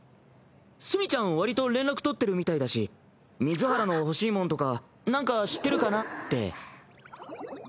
墨ちゃん割と連絡取ってるみたいだし水原の欲しいもんとかなんか知ってるかなって。